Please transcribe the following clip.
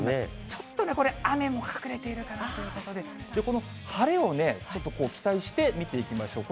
ちょっとね、これ、雨も隠れているかなということで、この晴れをね、ちょっと期待して見ていきましょう。